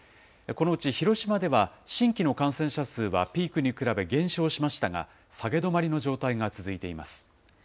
このうち広島では、新規の感染者数はピークに比べ減少しましたが、下げ止まりの状態が続いています。